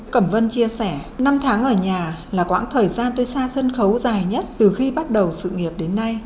cẩm vân chia sẻ năm tháng ở nhà là quãng thời gian tôi xa sân khấu dài nhất từ khi bắt đầu sự nghiệp đến nay